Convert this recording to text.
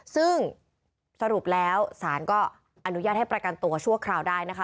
ซึ่งสรุปแล้วสารก็อนุญาตให้ประกันตัวชั่วคราวได้นะคะ